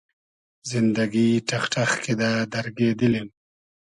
زیندئگی ݖئخ ݖئخ کیدۂ دئرگې دیلیم